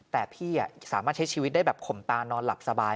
แต่พี่สามารถใช้ชีวิตได้แบบข่มตานอนหลับสบาย